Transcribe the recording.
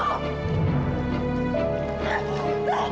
upgrade gain ya